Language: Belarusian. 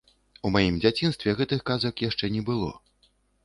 У маім дзяцінстве гэтых казак яшчэ не было.